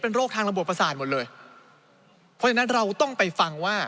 โรคทางระบบประสาทหมดเลยเพราะฉะนั้นเราต้องไปฟังว่า